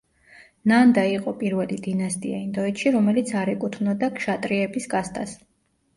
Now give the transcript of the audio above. ნანდა იყო პირველი დინასტია ინდოეთში, რომელიც არ ეკუთვნოდა ქშატრიების კასტას.